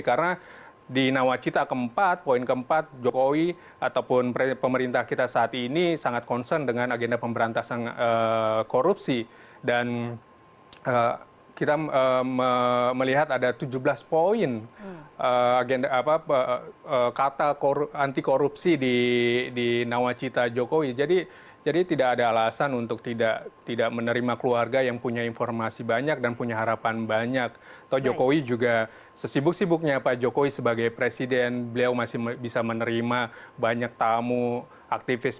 karena di nawacita keempat poin keempat jokowi ataupun pemerintah kita saat ini sangat concern dengan agenda pemberantasan korupsi